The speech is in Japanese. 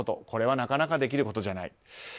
これはなかなかできることじゃない。